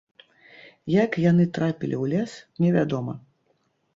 Як яны трапілі ў лес, не вядома.